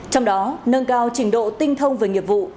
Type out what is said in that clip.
trong đó nâng cao trình độ tinh thông về nghiệp vụ